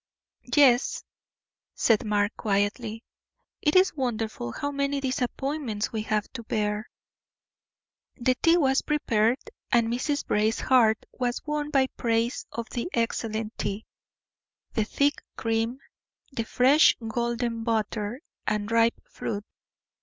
"Yes," said Mark, quietly, "it is wonderful how many disappointments we have to bear." The tea was prepared, and Mrs. Brace's heart was won by praise of the excellent tea, the thick cream, the fresh golden butter, and ripe fruit.